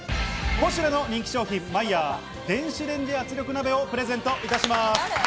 ポシュレの人気商品「マイヤー電子レンジ圧力鍋」をプレゼントいたします。